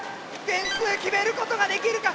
点数決めることができるか⁉